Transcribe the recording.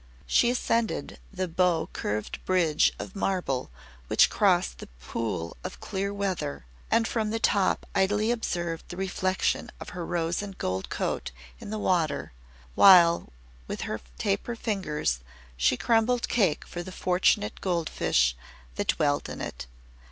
She ascended the bow curved bridge of marble which crossed the Pool of Clear Weather, and from the top idly observed the reflection of her rose and gold coat in the water while, with her taper fingers, she crumbled cake for the fortunate gold fish that dwelt in it.